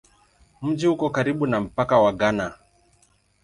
Mji uko karibu na mpaka wa Ghana.